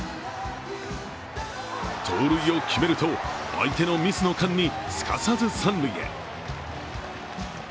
盗塁を決めると相手のミスの間にすかさず三塁へ。